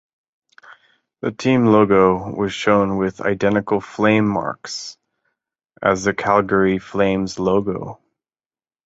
The team logo was shown with identical flame marks as the Calgary Flames' logo.